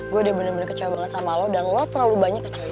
gue udah bener bener kecewa banget sama lo dan lo terlalu banyak kecewa